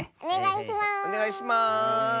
おねがいします！